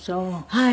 はい。